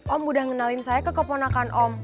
om udah ngenalin saya ke keponakan om